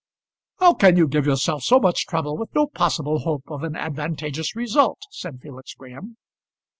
"How can you give yourself so much trouble with no possible hope of an advantageous result?" said Felix Graham.